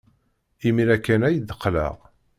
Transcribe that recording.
Imir-a kan ay d-qqleɣ.